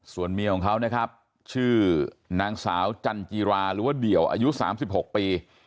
ส่วนเมียของเขานะครับชื่อนางสาวจันจิราหรือว่าเดี่ยวอายุ๓๖ปี